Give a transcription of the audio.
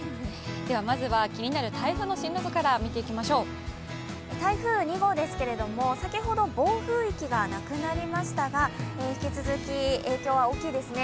まずは気になる台風の進路図から見ていきましょうる台風２号ですが、先ほど暴風域がなくなりましたが引き続き影響は大きいですね。